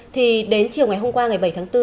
thì đến chiều ngày hôm qua ngày bảy tháng bốn